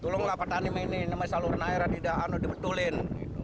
tolonglah petani ini saluran airnya tidak dibetulin